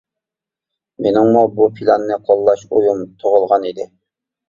مېنىڭمۇ بۇ پىلاننى قوللاش ئويۇم تۇغۇلغان ئىدى.